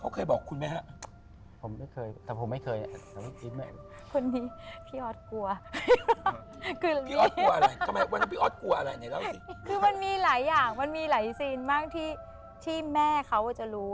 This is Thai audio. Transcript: คือมันมีหลายสินนี่มั่นเธอจะรู้